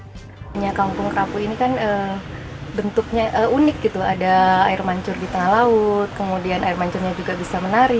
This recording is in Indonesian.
misalnya kampung kerapu ini kan bentuknya unik gitu ada air mancur di tengah laut kemudian air mancurnya juga bisa menari